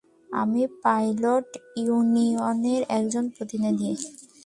আমি পাইলট ইউনিয়নের একজন প্রতিনিধি।